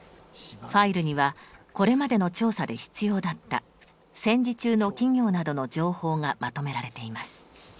ファイルにはこれまでの調査で必要だった戦時中の企業などの情報がまとめられています。